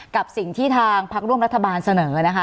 กับสิ่งที่ทางพักร่วมรัฐบาลเสนอนะคะ